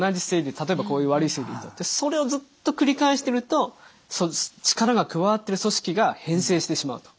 例えばこういう悪い姿勢でいるとそれをずっと繰り返してると力が加わってる組織が変性してしまうと。